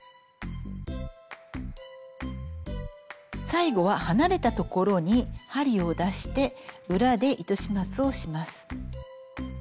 最後は離れた所に針を出して裏で糸始末をします。